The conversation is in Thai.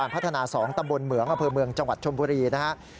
พัฒนา๒ตำบลเหมืองอเภอเมืองจังหวัดชมบุรีนะครับ